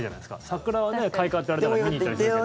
桜は開花って言われたら見に行ったりするけど。